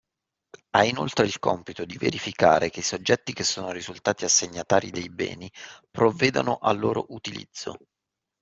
Ha inoltre il compito di verificare che i soggetti che sono risultati assegnatari dei beni, provvedano al loro utilizzo